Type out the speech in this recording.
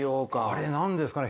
あれなんですかね。